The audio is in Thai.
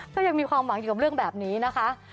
ก็ยังมีความหวังเกี่ยวกับเรื่องแบบนี้นะคะ